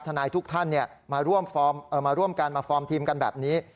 นายทุกท่านมาร่วมกันมาฟอร์มทีมกันแบบนี้